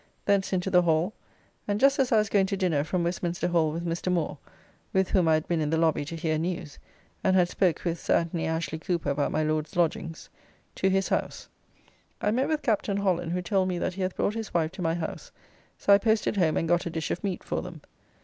Thence into the Hall, and just as I was going to dinner from Westminster Hall with Mr. Moore (with whom I had been in the lobby to hear news, and had spoke with Sir Anthony Ashley Cooper about my Lord's lodgings) to his house, I met with Captain Holland, who told me that he hath brought his wife to my house, so I posted home and got a dish of meat for them.